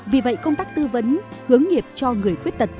vì vậy công tác tư vấn hướng nghiệp cho người khuyết tật